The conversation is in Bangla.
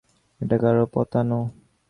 এটা কারো পাতানো।